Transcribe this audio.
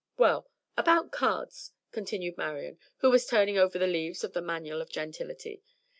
"Well, about cards," continued Marian, who was turning over the leaves of the "Manual of Gentility."